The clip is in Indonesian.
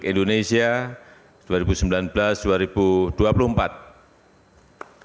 presiden dan wakil presiden republik indonesia dua ribu sembilan belas dua ribu dua puluh empat